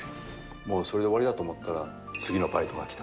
それで終わりだと思ったら、次のバイトが来た。